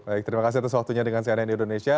baik terima kasih atas waktunya dengan si anen indonesia